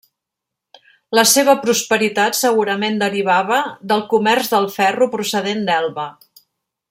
La seva prosperitat segurament derivava del comerç del ferro procedent d'Elba.